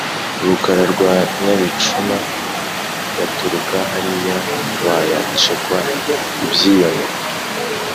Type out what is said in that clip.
Rukara rwa Nyabicuma yaturuka hariya wayacekwa-Ibyiyone.